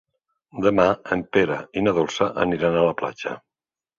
Demà en Pere i na Dolça aniran a la platja.